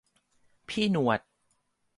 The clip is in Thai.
พี่หนวด